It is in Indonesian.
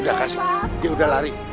dia kasih dia udah lari